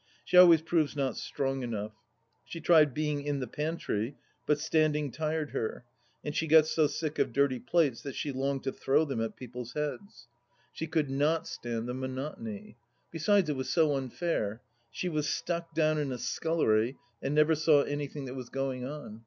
She always proves not strong enough. She tried being " in the pantry," but standing tired her, and she got so sick of dirty plates that she longed to throw them at people's heads. She could THE LAST DITCH 198 not stand the monotony. Besides, it was so unfair ; she was stuck down in a scullery, and never saw anything that was going on.